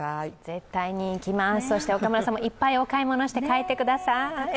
絶対に行きます、そして岡村さんもいっぱいお買い物して帰ってきてください。